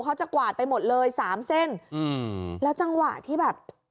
เขาจะกวาดไปหมดเลย๓เส้นแล้วจังหวะที่แบบ